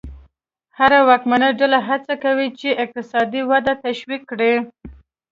هره واکمنه ډله هڅه کوي چې اقتصادي وده تشویق کړي.